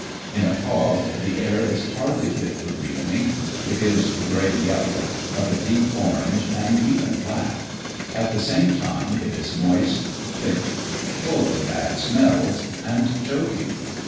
In a fog, the air is hardly fit for breathing; it is grey yellow, of a deep orange, and even black; at the same time, it is moist, thick, full of bad smells, and choking.